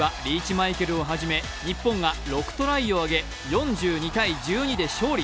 マイケルをはじめ日本が６トライを挙げ４２−１２で勝利。